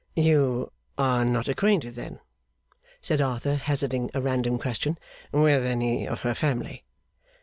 'You are not acquainted, then,' said Arthur, hazarding a random question, 'with any of her family?